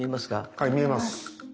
はい見えます。